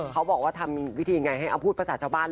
เขาบอกว่าทำวิธีไงให้เอาพูดภาษาชาวบ้าน